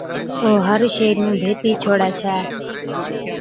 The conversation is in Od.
او هر شئِي نُون ڀيتِي ڇوڙَي ڇَي۔